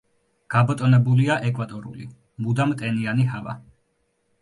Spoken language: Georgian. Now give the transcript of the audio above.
გაბატონებულია ეკვატორული მუდამ ტენიანი ჰავა.